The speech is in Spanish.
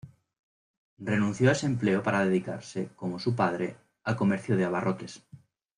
Renunció a ese empleo para dedicarse, como su padre, al comercio de abarrotes.